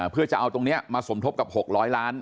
เพื่อจะเอาตรงนี้มาสมทบกับ๖๐๐ล้าน